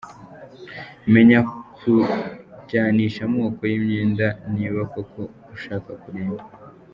Menya kujyanisha amoko y’ imyenda niba koko ushaka kurimba.